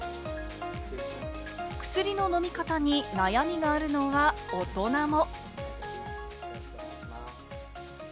薬の飲み方に悩みがあるのは大人も。